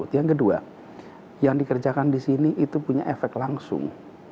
yang kedua yang dikerjakan di sini itu punya efek langsung